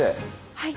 はい。